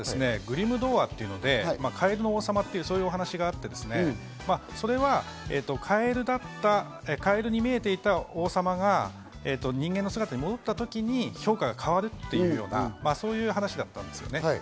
元々はグリム童話というので、『かえるの王様』というお話があって、それは蛙に見えていた王様が人間の姿に戻った時に評価が変わるというような話だったんですね。